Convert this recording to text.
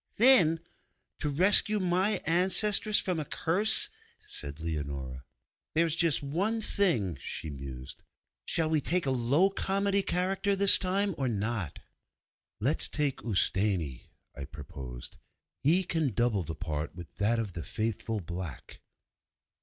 'Thin, to rescue my ancestress from a curse!' said Leonora. 'There's just one other thing,' she mused. 'Shall we take a low comedy character this time, or not?' 'Let's take Ustâni,' I proposed, 'he can double the part with that of the Faithful Black!